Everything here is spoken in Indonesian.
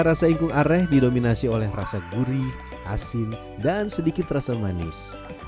rasa ingkung areh didominasi oleh rasa gurih asin dan sedikit rasa manis